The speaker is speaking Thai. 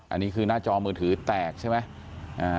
อันนี้คือหน้าจอมือถือแตกใช่ไหม